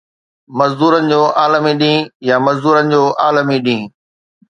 مزدورن جو عالمي ڏينهن يا مزدورن جو عالمي ڏينهن